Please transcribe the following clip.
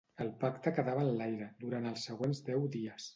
El pacte quedava en l'aire durant els següents deu dies.